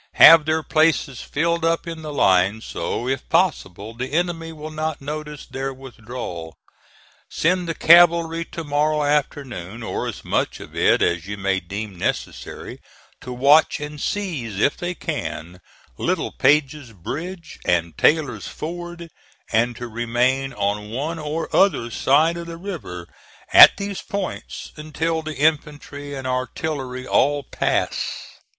Have their places filled up in the line so if possible the enemy will not notice their withdrawal. Send the cavalry to morrow afternoon, or as much of it as you may deem necessary, to watch and seize, if they can, Littlepage's Bridge and Taylor's Ford, and to remain on one or other side of the river at these points until the infantry and artillery all pass.